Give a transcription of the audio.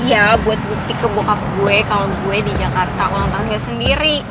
iya buat musik ke bokap gue kalau gue di jakarta ulang tahunnya sendiri